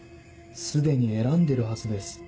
既に選んでるはずです。